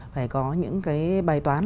phải có những cái bài toán